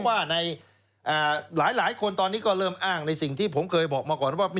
ว่าในหลายคนตอนนี้ก็เริ่มอ้างในสิ่งที่ผมเคยบอกมาก่อนว่า